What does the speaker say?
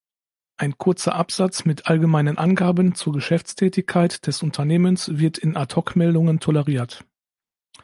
Ein kurzer Absatz mit allgemeinen Angaben zur Geschäftstätigkeit des Unternehmens wird in Ad-hoc-Meldungen toleriert.